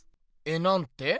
えなんて？